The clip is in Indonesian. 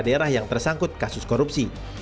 daerah yang tersangkut kasus korupsi